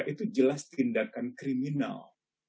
itu jelas tindakan kriminal